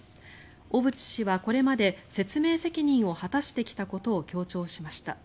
小渕氏はこれまで説明責任を果たしてきたことを強調しました。